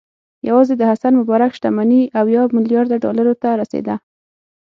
یوازې د حسن مبارک شتمني اویا میلیارده ډالرو ته رسېده.